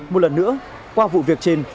một lần nữa qua vụ việc trên